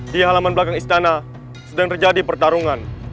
di halaman belakang istana sedang terjadi pertarungan